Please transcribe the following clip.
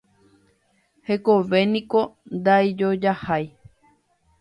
Hekovéniko ndaijojahái.